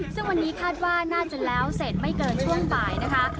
ซึ่งวันนี้คาดว่าน่าจะแล้วเสร็จไม่เกินช่วงบ่ายนะคะ